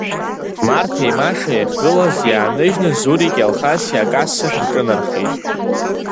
Марҭеи Машеи ахьгылаз иааныжьны, Зурики Алхаси акассахь рҿынархеит.